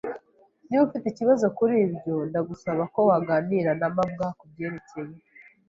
Niba ufite ikibazo kuri ibyo, ndagusaba ko waganira na mabwa kubyerekeye.